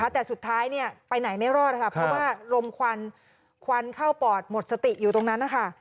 แต่สุดท้ายไปไหนไม่รอดค่ะเพราะว่าลมควันควันเข้าปอดหมดสติอยู่ตรงนั้นนะคะ